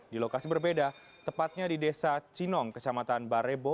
di lokasi berbeda tepatnya di desa cinong kecamatan barebo